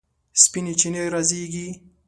سپینې چینې رازیږي